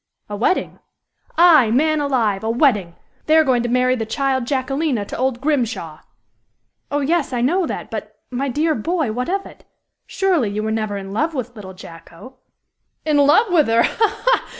"A wedding!" "Aye, man alive! A wedding! They are going to marry the child Jacquelina to old Grimshaw." "Oh, yes, I know that; but, my dear boy, what of it? Surely you were never in love with little Jacko?" "In love with her! ha! ha!